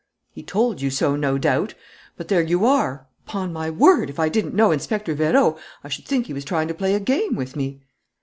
"He told you so, no doubt, but there you are! Upon my word, if I didn't know Inspector Vérot, I should think he was trying to play a game with me."